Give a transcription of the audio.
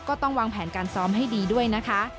ก็ต้องวางแผนการซ้อมให้ดีด้วยนะคะ